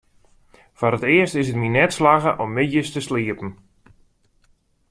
Foar it earst is it my net slagge om middeis te sliepen.